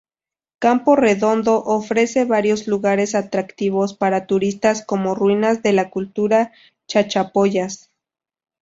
Camporredondo ofrece varios lugares atractivos para turistas como ruinas de la cultura Chachapoyas.